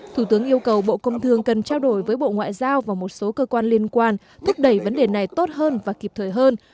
thủ tướng yêu cầu bộ công thương cần trao đổi với bộ ngoại giao và một số cơ quan liên quan thúc đẩy vấn đề này tốt hơn và kịp thời hơn